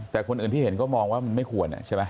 แต่คนอื่นที่เห็นก็มองว่ามันไม่ควรใช่ไหม